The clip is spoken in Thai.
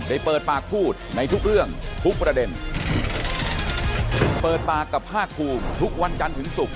เปิดปากพูดในทุกเรื่องทุกประเด็นเปิดปากกับภาคภูมิทุกวันจันทร์ถึงศุกร์